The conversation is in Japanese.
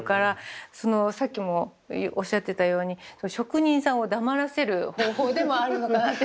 そのさっきもおっしゃってたように職人さんを黙らせる方法でもあるのかなって。